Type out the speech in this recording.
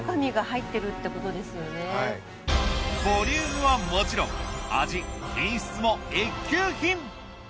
ボリュームはもちろん味品質も一級品！